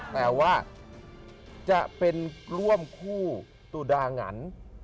แต่ว่าจะเป็นร่วมคู่ตุดาหงัน